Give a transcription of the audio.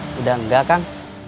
sudah tidak pak